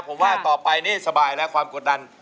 ผมว่าต่อไปนี่สบายแล้วความกดดัน